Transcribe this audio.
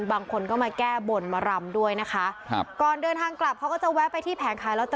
บางคนก็มาแก้บ่นมารำด้วยนะคะเขาก็จะแวะไปที่แผงขาย